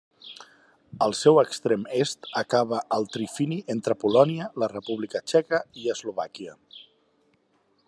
Al seu extrem est acaba al trifini entre Polònia, la República Txeca i Eslovàquia.